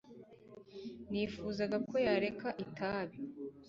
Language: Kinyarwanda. Nifuzaga ko yareka itabi